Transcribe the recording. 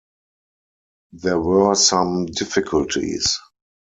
There were some difficulties.